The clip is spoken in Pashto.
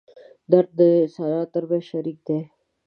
درد د انسانانو تر منځ شریک دی.